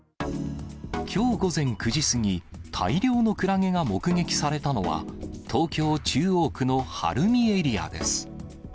きょう午前９時過ぎ、大量のクラゲが目撃されたのは、東京・中央区の晴海エリアです。